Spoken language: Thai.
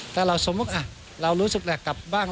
ถ้าเราสมมุติเรารู้สึกแหละกลับบ้าง